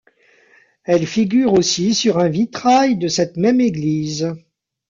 Elle figure aussi sur un vitrail de cette même église.